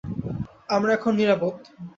আমরা এখন নিরাপদ।